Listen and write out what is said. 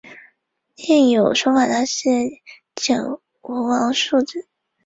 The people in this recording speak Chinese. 另有说法他是景文王庶子。